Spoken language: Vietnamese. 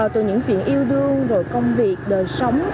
từ những chuyện yêu đương rồi công việc đời sống